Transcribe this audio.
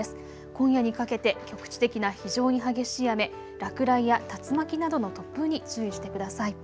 今夜にかけて局地的な非常に激しい雨、落雷や竜巻などの突風に注意してください。